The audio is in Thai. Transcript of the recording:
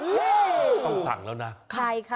นี่ต้องสั่งแล้วนะใช่ค่ะ